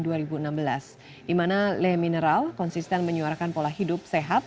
di mana leh mineral konsisten menyuarakan pola hidup sehat